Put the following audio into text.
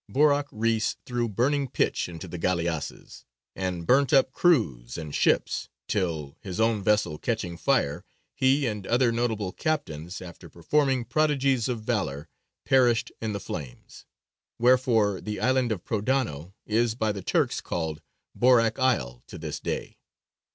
Borāk Reïs threw burning pitch into the galleasses, and burnt up crews and ships, till, his own vessel catching fire, he and other notable captains, after performing prodigies of valour, perished in the flames. Wherefore the island of Prodano is by the Turks called Borāk Isle to this day.